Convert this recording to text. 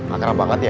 akrab banget ya